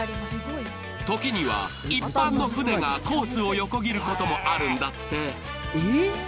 時には一般の船がコースを横切ることもあるんだって。